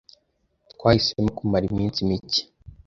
Twahisemo kumara iminsi mike.